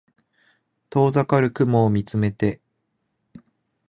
遠ざかる雲を見つめて